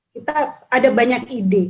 kita ada banyak ide